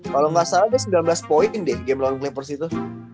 kalau gak salah dia sembilan belas point deh game long play persitu